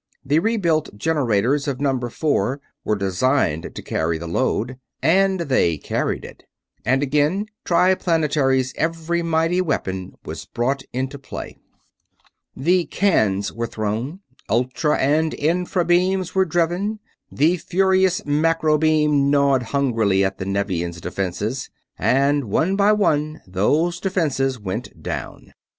The rebuilt generators of Number Four were designed to carry the load, and they carried it. And again Triplanetary's every mighty weapon was brought into play. The "cans" were thrown, ultra and infra beams were driven, the furious macro beam gnawed hungrily at the Nevian's defenses; and one by one those defenses went down.